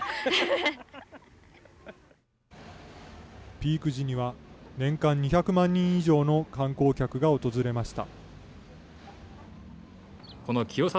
ピーク時には、年間２００万人以上の観光客が訪れました。